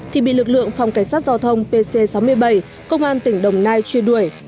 thì bị lực lượng phòng cảnh sát giao thông pc sáu mươi bảy công an tỉnh đồng nai truy đuổi